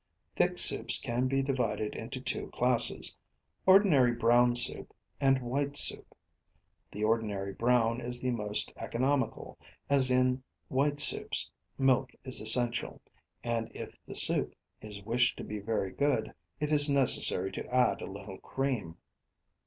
Thick soups can be divided into two classes ordinary brown soup, and white soup. The ordinary brown is the most economical, as in white soups milk is essential, and if the soup is wished to be very good it is necessary to add a little cream.